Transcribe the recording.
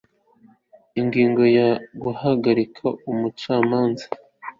ingingo ya guhagarika umucamanza